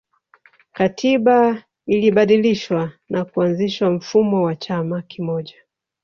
katiba ilibadilishwa na kuanzisha mfumo wa chama kimoja